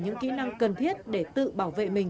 những kỹ năng cần thiết để tự bảo vệ mình